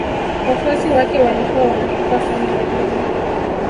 Wafuasi wake walikuwa wanakufa sana lakini